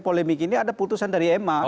polemik ini ada putusan dari ma